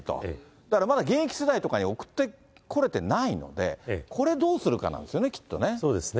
だから、現役世代とかに送ってこれてないので、これ、どうするかそうですね。